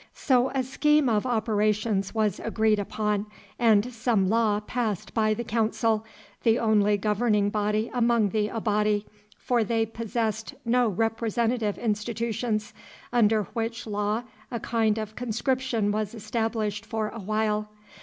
So a scheme of operations was agreed upon, and some law passed by the Council, the only governing body among the Abati, for they possessed no representative institutions, under which law a kind of conscription was established for a while.